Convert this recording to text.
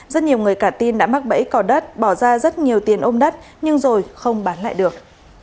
rất nhiều người cả tin đã mắc bẫy cò đất bỏ ra rất nhiều tiền ôm đất nhưng rồi không bán lại được